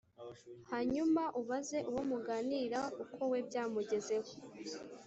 hanyuma ubaze uwo muganira uko we byamugezeho